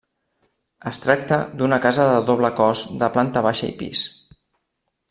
Es tracta d'una casa de doble cós de planta baixa i pis.